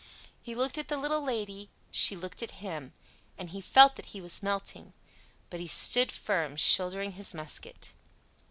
He looked at the little Lady, she looked at him, and he felt that he was melting; but he stood firm, shouldering his musket.